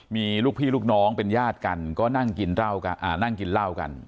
มีลูกพี่ลูกน้องเป็นญาติกันก็นั่งกินเหล้ากันนั่งกินเหล้ากัน